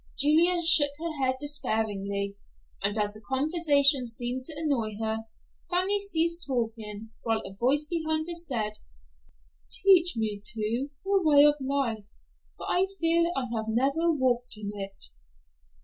Julia shook her head despairingly, and as the conversation seemed to annoy her, Fanny ceased talking, while a voice behind her said, "Teach me, too, the way of life, for I fear I have never walked in it."